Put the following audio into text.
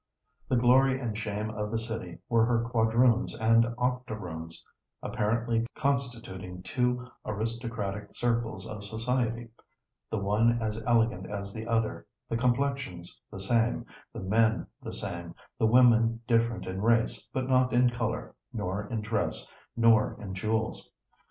The glory and shame of the city were her quadroons and octoroons, apparently constituting two aristocratic circles of society, the one as elegant as the other, the complexions the same, the men the same, the women different in race, but not in color, nor in dress, nor in jewels.